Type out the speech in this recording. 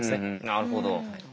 なるほど。